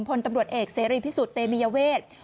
พลตำรวจเอกเสรีพิสุทธิ์เตมียเวท